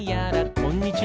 こんにちは！